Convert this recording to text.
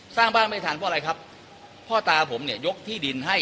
สร้างบ้านไม่ทันเพราะอะไรครับพ่อตาผมเนี่ยยกที่ดินให้